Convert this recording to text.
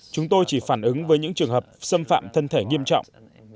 chúng tôi chỉ phản ứng với những trường hợp xâm phạm thân thể nghiêm trọng